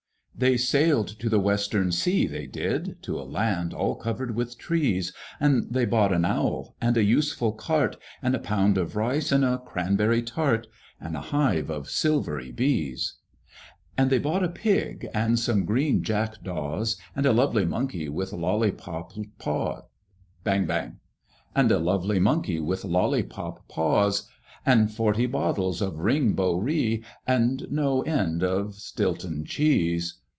They sailed to the Western sea, they did, To a land all covered with trees, And they bought an Owl, and a useful Cart, And a pound of Rice, and a Cranberry Tart, And a hive of silvery Bees. And they bought a Pig, and some green Jack daws, And a lovely Monkey with lollipop paws, And forty bottles of Ring Bo Ree, And no end of Stilton Cheese.